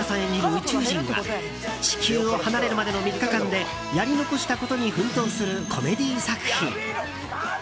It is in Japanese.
宇宙人が地球を離れるまでの３日間でやり残したことに奮闘するコメディー作品。